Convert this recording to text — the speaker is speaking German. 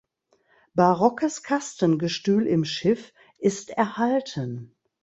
Barockes Kastengestühl im Schiff ist erhalten.